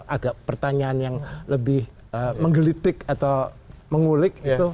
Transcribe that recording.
agak pertanyaan yang lebih menggelitik atau mengulik itu